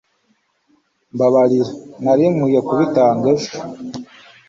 mbabarira. nari nkwiye kubitanga ejo